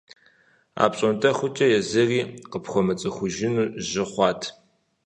АпщӀондэхукӀэ езыри къыпхуэмыцӀыхужыну жьы хъуат.